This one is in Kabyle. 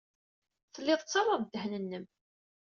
Telliḍ tettarraḍ ddehn-nnem.